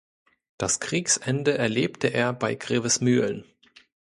Das Kriegsende erlebte er bei Grevesmühlen.